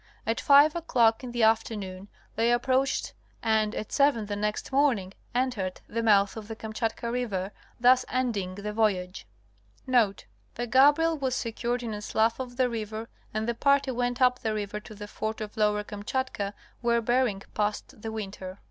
At five o'clock in the afternoon they approached and at seven the next morning entered the mouth of the Kamchatka river, thus ending the voyage. At one p. M. the storm had abated, but in weighing Note.—The Gabriel was secured in a slough of the river and the party went up the river to the fort of Lower Kamchatka where Bering passed the winter.